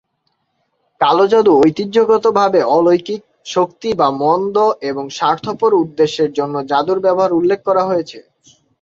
কালো জাদু ঐতিহ্যগতভাবে অলৌকিক শক্তি বা মন্দ এবং স্বার্থপর উদ্দেশ্যের জন্য জাদুর ব্যবহার উল্লেখ করা হয়েছে।